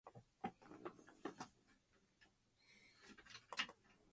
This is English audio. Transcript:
The Apples in Stereo later performed Can You Feel It?